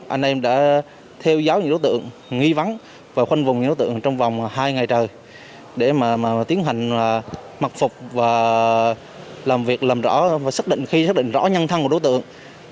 anh em đã theo dõi những đối tượng nghi vắng và khoanh vùng những đối tượng trong vòng hai ngày trời để mà tiến hành mật phục và làm việc làm rõ và xác định khi xác định rõ nhân thân của đối tượng